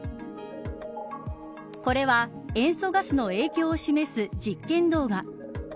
これは塩素ガスの影響を示す実験動画。